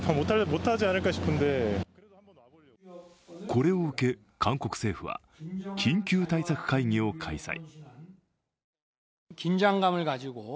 これを受け韓国政府は緊急対策会議を開催。